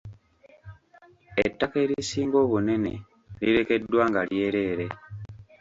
Ettaka erisinga obunene lirekeddwa nga lyereere.